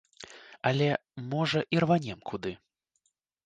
Але, можа, і рванем куды.